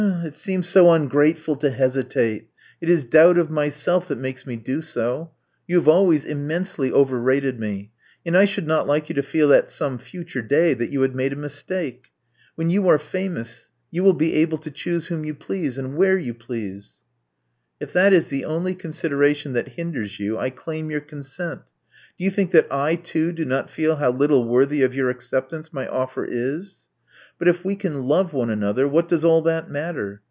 It seems so ungrateful to hesitate. It is doubt of myself that makes me do so. You have always immensely overrated me ; and I should not like you to feel at some future day that you had made a mistake. When you are famous, you will be able to choose whom you please, and where you please. " If that is the only consideration that hinders you, I claim your consent. Do you think that I, too, do not feel how little worthy of your acceptance my oflFer is? But if we can love one another, what does all that matter?